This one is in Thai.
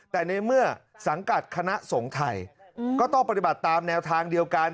แต่ในเมื่อสังกัดคณะสงฆ์ไทยก็ต้องปฏิบัติตามแนวทางเดียวกัน